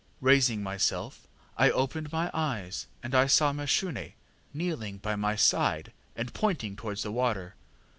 Raising myself, I opened my eyes, and I saw Mashune kneeling by my side and pointing towards the water.